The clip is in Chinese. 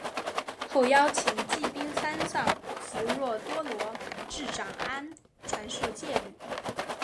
后邀请罽宾三藏弗若多罗至长安传授戒律。